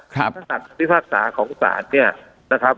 ธรรมศาสตร์ธรรมศาสตร์ของศาลเนี่ยนะครับ